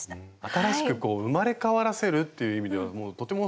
新しくこう生まれ変わらせるっていう意味ではもうとてもすてきですよね。